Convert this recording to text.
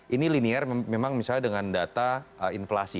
ini linear memang misalnya dengan data inflasi